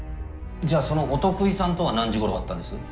じゃあそのお得意さんとは何時ごろ会ったんです？